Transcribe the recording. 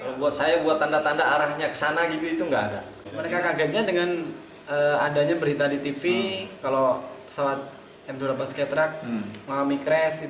mereka kagetnya dengan adanya berita di tv kalau pesawat m dua puluh delapan skytruck mengalami kres